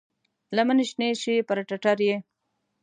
لمنې شنې شي پر ټټر یې،